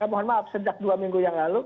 mohon maaf sejak dua minggu yang lalu